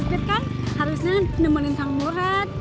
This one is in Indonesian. pimpinan kan harusnya nemenin sang murad